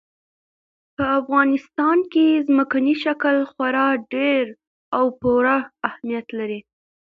په افغانستان کې ځمکنی شکل خورا ډېر او پوره اهمیت لري.